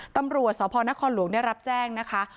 ตำรวจสพนครหลวงได้รับแจ้งนะคะ